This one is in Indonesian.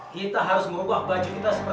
kita harus merubah baju kita seperti